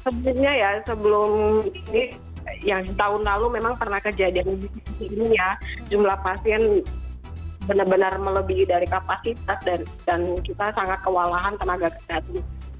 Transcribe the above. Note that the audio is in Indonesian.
sebelumnya ya sebelum ini yang tahun lalu memang pernah kejadian ini ya jumlah pasien benar benar melebihi dari kapasitas dan kita sangat kewalahan tenaga kesehatan